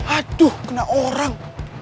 aduh kena orang